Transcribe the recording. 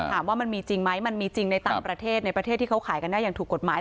ถามว่ามันมีจริงไหมมันมีจริงในต่างประเทศในประเทศที่เขาขายกันได้อย่างถูกกฎหมาย